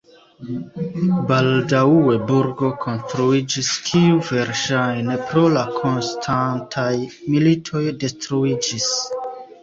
Baldaŭe burgo konstruiĝis, kiu verŝajne pro la konstantaj militoj detruiĝis.